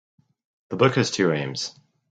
The book has two aims.